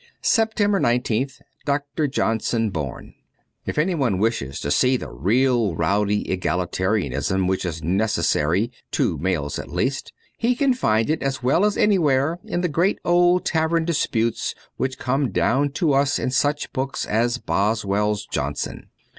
290 SEPTEMBER i8th DR. JOHNSON BORN IF anyone wishes to see the real rowdy egali tarianism which is necessary (to males at least) he can find it as well as anywhere in the great old tavern disputes which come down to us in such books as Boswell's 'Johnson.'